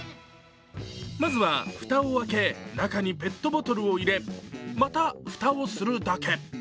まずは蓋を開け、中にペットボトルを入れ、また蓋をするだけ。